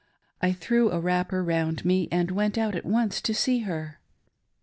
I threw a wrapper round me, and went out at once to see her.